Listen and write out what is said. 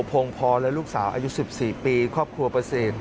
พงพรและลูกสาวอายุ๑๔ปีครอบครัวประเสริฐ